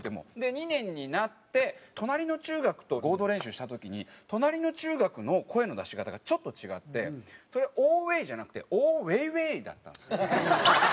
２年になって隣の中学と合同練習した時に隣の中学の声の出し方がちょっと違ってそれがオーウェイじゃなくてオーウェイウェイだったんですよ。